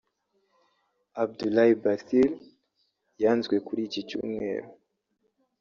Abdulaye Bathily yanzwe kuri iki cyumweru